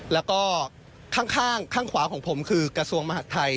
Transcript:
แล้วก็ข้างขวาของผมคือกระทรวงมหาดไทย